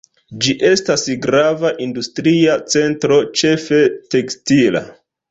Ĝi estas grava industria centro, ĉefe tekstila.